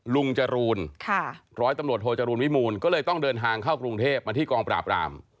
ลุงจรูนร้อยตำรวจโทจรูลวิมูลก็เลยต้องเดินทางเข้ากรุงเทพมาที่กองปราบราม